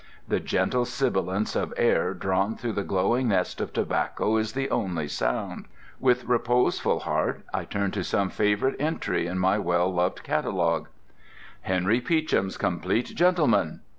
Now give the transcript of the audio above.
The gentle sibilance of air drawn through the glowing nest of tobacco is the only sound. With reposeful heart I turn to some favourite entry in my well loved catalogue. "HENRY PEACHAM'S COMPLEAT GENTLEMAN.